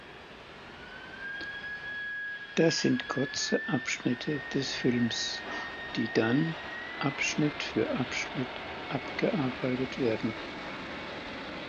Das sind kurze Abschnitte des Films, die dann Abschnitt für Abschnitt abgearbeitet werden.